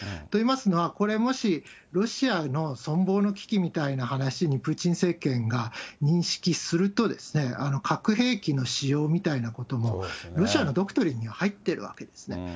といいますのは、これもし、ロシアの存亡の危機みたいな話に、プーチン政権が認識すると、核兵器の使用みたいなことも、ロシアのドクトリンには入ってるんですね。